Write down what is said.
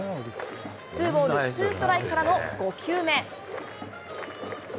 ツーボールツーストライクからの５球目。